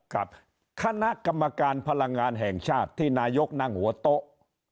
ครับคณะกรรมการพลังงานแห่งชาติที่นายกนั่งหัวโต๊ะ